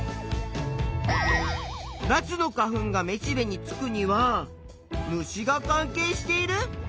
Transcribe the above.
ナスの花粉がめしべにつくには虫が関係している？